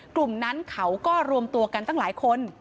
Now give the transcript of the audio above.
กลุ่มนั้นเขาก็รวมตัวกันตั้งหลายคน